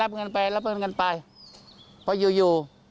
เพราะอยู่